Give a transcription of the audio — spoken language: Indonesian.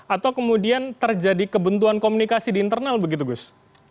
atau kemudian terjadi kebuntuan komunikasi di internal begitu gus